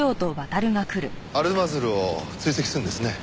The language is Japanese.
アルマズルを追跡するんですね。